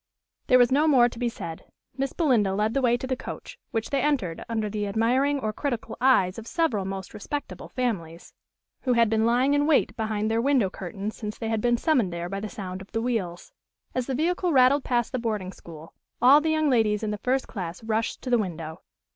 There was no more to be said. Miss Belinda led the way to the coach, which they entered under the admiring or critical eyes of several most respectable families, who had been lying in wait behind their window curtains since they had been summoned there by the sound of the wheels. As the vehicle rattled past the boarding school, all the young ladies in the first class rushed to the window.